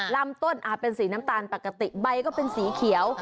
ลำต้นอาจเป็นสีน้ำตาลปกติ